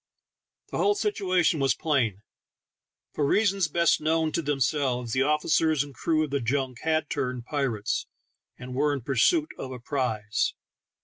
The whole situation was plain. For reasons best known to themselves, the officers and crew of the junk had turned pirates, and were in pursuit of a prize.